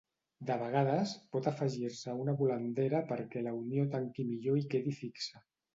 De vegades pot afegir-se una volandera perquè la unió tanqui millor i quedi fixa.